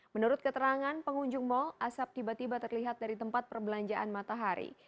menurut keterangan pengunjung mal asap tiba tiba terlihat dari tempat perbelanjaan matahari